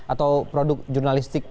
atau produk jurnalistik